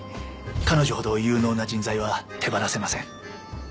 彼女ほど有能な人材は手放せません。